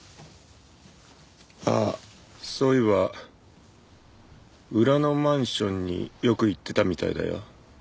あっそういえば裏のマンションによく行ってたみたいだよ。